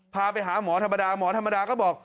พาไปหาหมอธรรมดาหมอธรรมดาก็บอก